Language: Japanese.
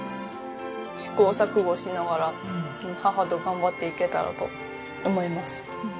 試行錯誤しながら母と頑張っていけたらと思います。